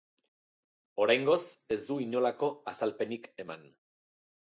Oraingoz ez du inolako azalpenik eman.